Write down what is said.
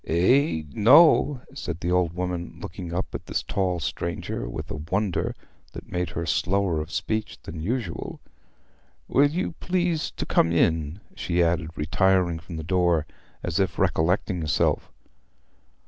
"Eh?... no," said the old woman, looking up at this tall stranger with a wonder that made her slower of speech than usual. "Will you please to come in?" she added, retiring from the door, as if recollecting herself.